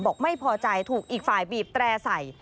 บอกไม่พอใจถูกอีกฝ่ายบีบแตร่ใส่